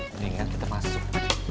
mendingan kita masuk